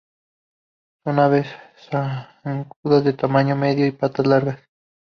Son aves zancudas de tamaño medio y patas largas.